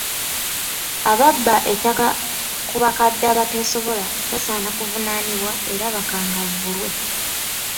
Ababba ettaka ku bakadde abateesobola basaana kuvunaanibwa era bakangavvulwe.